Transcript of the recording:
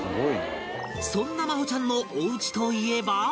そんな麻帆ちゃんのおうちといえば